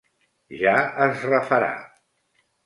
Ja es refarà.